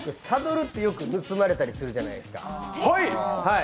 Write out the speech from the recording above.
サドルってよく盗まれたりするじゃないですか。